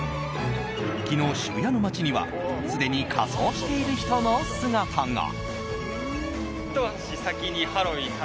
昨日、渋谷の街にはすでに仮装している人の姿が。